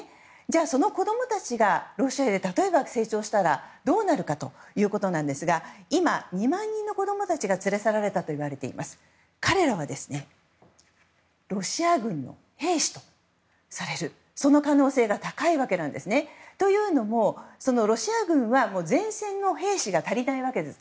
その子供たちが例えば、ロシアで成長したらどうなるかというと今、２万人の子供たちが連れ去られたといわれていますが彼らは、ロシア軍の兵士とされる可能性が高いわけなんですね。というのもロシア軍は前線の兵士が足りないわけです。